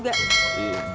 gue mau pesen juga